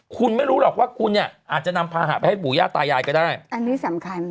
คุณไม่รู้หรอกว่าคุณเนี่ยอาจจะนำพาหะไปให้ปู่ย่าตายายก็ได้อันนี้สำคัญ